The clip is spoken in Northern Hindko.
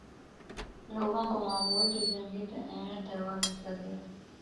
لوگاں کو معمول دی زندگی تے اینڑے تے وقت لگیا۔